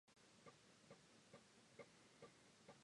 An eclipse of the moon cost them the loss of a gallant fleet.